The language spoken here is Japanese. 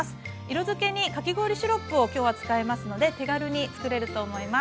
色づけにかき氷シロップを今日は使いますので手軽につくれると思います。